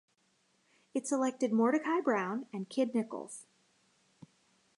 It selected Mordecai Brown and Kid Nichols.